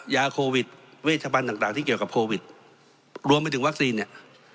ยาโควิดเวชบันต่างที่เกี่ยวกับโควิดรวมไปถึงวัคซีนเนี่ย